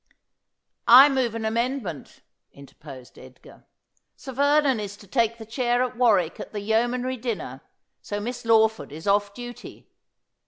' I move an amendment,' interposed Edgar. ' Sir Vernon is to take the chair at Warwick at the Yeomanry dinner, so Miss Lawford is off duty.